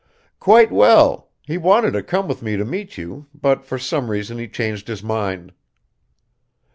"Quite well. He wanted to come with me to meet you, but for some reason he changed his mind."